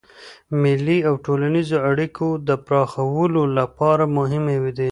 مېلې د ټولنیزو اړیکو د پراخولو له پاره مهمي دي.